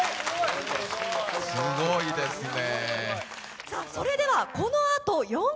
すごいですね。